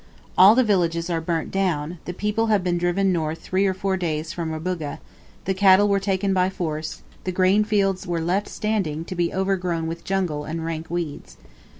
All the villages are burnt down, the people have been driven north three or four days from Rubuga, the cattle were taken by force, the grain fields were left standing, to be overgrown with jungle and rank weeds.